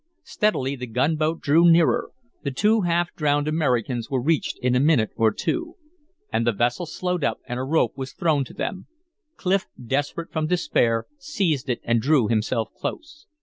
Steadily the gunboat drew nearer; the two half drowned Americans were reached in a minute or two. And the vessel slowed up and a rope was thrown to them. Clif desperate from despair, seized it and drew himself close.